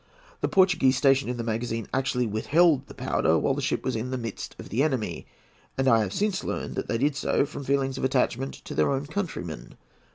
The Portuguese stationed in the magazine actually withheld the powder whilst this ship was in the midst of the enemy, and I have since learnt that they did so from feelings of attachment to their own countrymen.